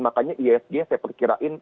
makanya isg saya perkirain